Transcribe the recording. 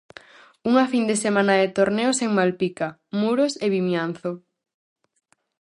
Unha fin de semana de torneos en Malpica, Muros e Vimianzo.